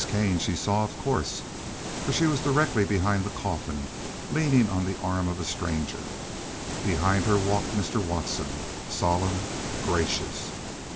Kane she saw, of course, for she was directly behind the coffin, leaning on the arm of a stranger; behind her walked Mr. Watson, solemn, gracious.